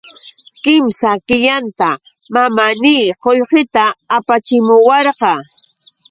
Kimsa killanta mamaanii qullqita apachimuwarqa.